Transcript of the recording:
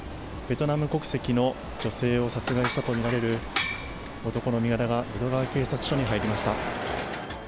ベトナム国籍の女性を殺害したと見られる男の身柄が、淀川警察署に入りました。